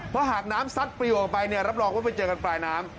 เพราะหากน้ำซัดปริวออกไปเนี่ยรับรองว่าไปเจอกันปลายน้ำ